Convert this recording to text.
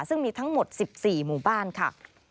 ซึ่งมีทั้งหมด๑๔หมู่บ้านค่ะ